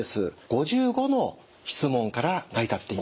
５５の質問から成り立っています。